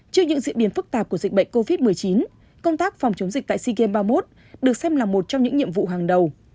trước những diễn biến phức tạp của dịch bệnh covid một mươi chín công tác phòng chống dịch tại sea games ba mươi một được xem là một trong những nhiệm vụ hàng đầu